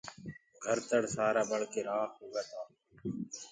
گھر تَڙ سآرآ ٻݪ ڪي رآکِ هوگآ تآ۔